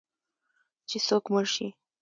چې څوک مړ شي